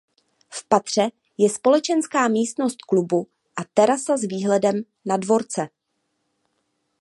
V patře je společenská místnost klubu a terasa s výhledem na dvorce.